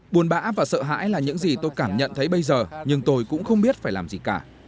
buồn bã và sợ hãi là những gì tôi cảm nhận thấy bây giờ nhưng tôi cũng không biết phải làm gì cả